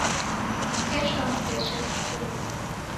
Kesho mseche skulu